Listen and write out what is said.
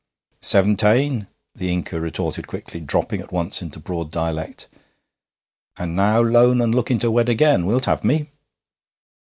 'Seventane,' the Inca retorted quickly, dropping at once into broad dialect, 'and now lone and lookin' to wed again. Wilt have me?'